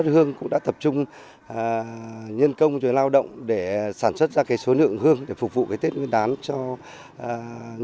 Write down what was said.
hương cầu ngày một cao của thị trường